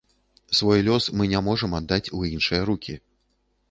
Свой лёс мы не можам аддаць у іншыя рукі.